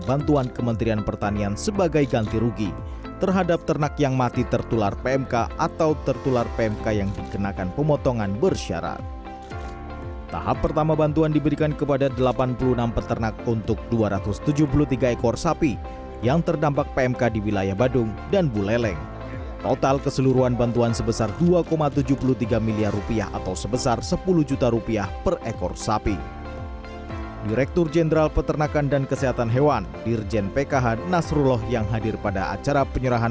bantuan ini sebagai bentuk mengurangi kerugian terhadap hewan yang lakukan pengotongan bersyarat untuk mencegah penyebaran wabah pmk